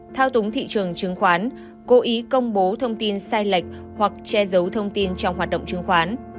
thao túng thị trường chứng khoán cố ý công bố thông tin sai lệch hoặc che giấu thông tin trong hoạt động chứng khoán